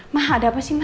ma ada apa sih ma